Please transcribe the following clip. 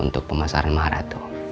untuk pemasaran maharatu